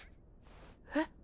えっ？